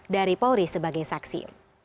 dari polri sebagai saksi